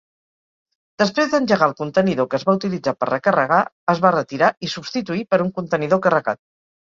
Després d'engegar el contenidor que es va utilitzar per recarregar, es va retirar i substituir per un contenidor carregat.